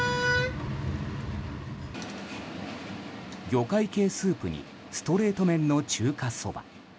魚介系スープにストレート麺の中華そば。